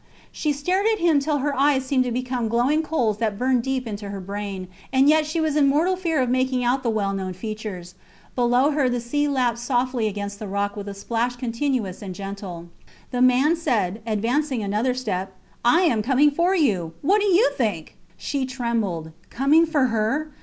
She stared at him till her eyes seemed to become glowing coals that burned deep into her brain, and yet she was in mortal fear of making out the well known features. Below her the sea lapped softly against the rock with a splash continuous and gentle. The man said, advancing another step I am coming for you. What do you think? She trembled. Coming for her!